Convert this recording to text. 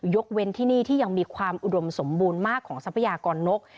เว้นที่นี่ที่ยังมีความอุดมสมบูรณ์มากของทรัพยากรนก